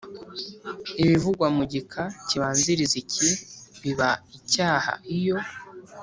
Ibivugwa mu gika kibanziririza iki biba icyaha iyo